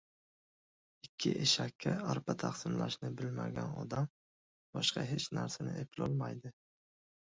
• Ikki eshakka arpa taqsimlashni bilmagan odam boshqa hech narsani eplolmaydi.